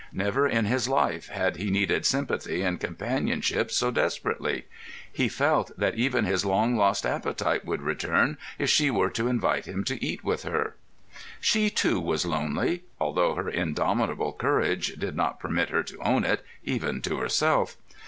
Never in his life had he needed sympathy and companionship so desperately. He felt that even his long lost appetite would return if she were to invite him to eat with her. She too was lonely, although her indomitable courage did not permit her to own it, even to herself.